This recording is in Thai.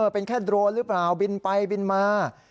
เป็นแค่โดรนหรือเปล่าบินไปบินมา